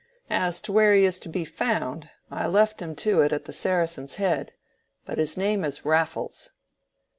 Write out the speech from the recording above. "As to where he is to be found, I left him to it at the Saracen's Head; but his name is Raffles."